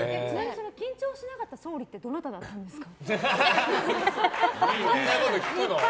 緊張しなかった総理ってどなたですか？